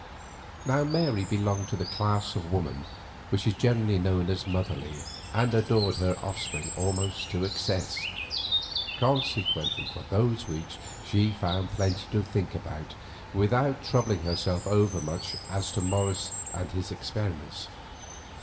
Now Mary belonged to the class of woman which is generally known as "motherly," and adored her offspring almost to excess. Consequently for those weeks she found plenty to think about without troubling herself over much as to Morris and his experiments.